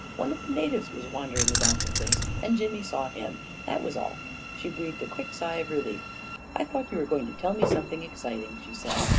One of the natives was wandering about the place, and Jimmy saw him — that was all." She breathed a quick sigh of relief. " I thought you were going to tell me something exciting," she said.